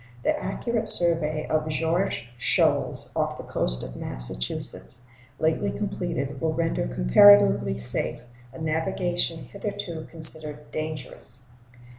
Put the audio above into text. The accurate survey of Georges Shoals, off the coast of Massachusetts, lately completed, will render comparatively safe a navigation hitherto considered dangerous.